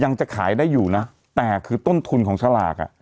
ยังจะขายได้อยู่นะแต่คือต้นทุนของสลากอ่ะ